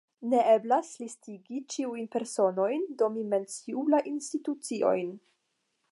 Ne eblas listigi ĉiujn personojn, do mi menciu la instituciojn.